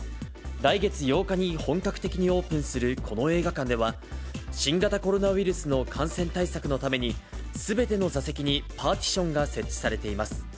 来月８日に本格的にオープンするこの映画館では、新型コロナウイルスの感染対策のために、すべての座席にパーティションが設置されています。